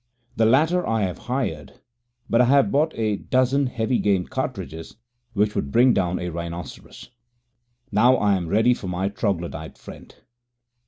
The latter I have hired, but I have bought a dozen heavy game cartridges, which would bring down a rhinoceros. Now I am ready for my troglodyte friend.